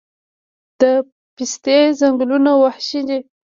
د پستې ځنګلونه وحشي دي؟